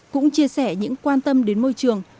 cũng chia sẻ những quan tâm đến môi trường